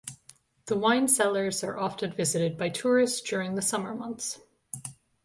The wine cellars are often visited by tourists during the Summer months.